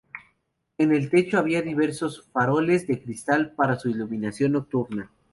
En el techo había diversos faroles de cristal para su iluminación nocturna.